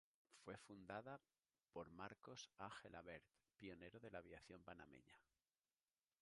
Fue fundada por Marcos A. Gelabert, pionero de la aviación panameña.